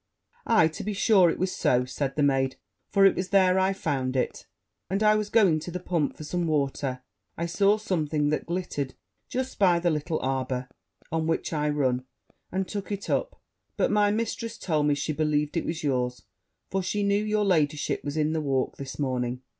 'Aye, to be sure, it was so,' said the maid; 'for it was there I found it: as I was going to the pump for some water, I saw something that glittered just by the little arbour, on which I ran and took it up; but my mistress told me she believed it was yours; for she knew your ladyship was in the walk this morning.'